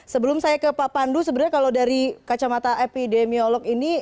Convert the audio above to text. sebelum saya ke pak pandu sebenarnya kalau dari kacamata epidemiolog ini